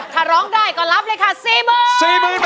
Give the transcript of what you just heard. ถ้าร้องได้ก็รับเลยค่ะ๔๐๐๐บาท